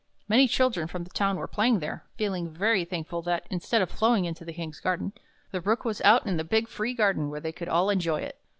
Many children from the town were playing there, feeling very thankful that, instead of flowing into the King's garden, the Brook was out in the big free garden where they could all enjoy it.